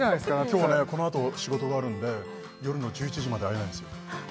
今日はこのあと仕事があるんで夜の１１時まで会えないんですよ